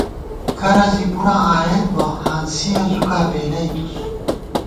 کرہ بی زی پُراں آئیت بہ ، ہانسِیَہ زُکا پېلیتُس